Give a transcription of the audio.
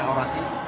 mereka hanya orasi